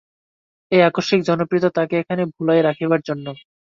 এই আকস্মিক জনপ্রিয়তা তাকে এখানে ভুলাইয়া রাখিবার জন্য।